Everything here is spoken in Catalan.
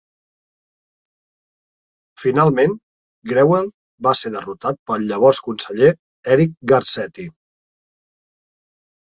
Finalment, Greuel va ser derrotat pel llavors conseller Eric Garcetti.